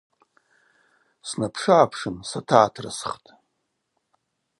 Снапшыгӏапшын сатагӏатрысхтӏ.